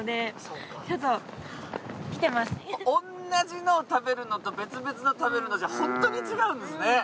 同じのを食べるのと別々の食べるのじゃ本当に違うんですね。